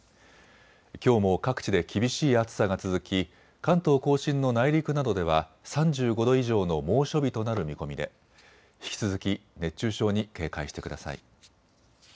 きょうも各地で厳しい暑さが続き関東甲信の内陸などでは３５度以上の猛暑日となる見込みで引き続き熱中症に警戒してください。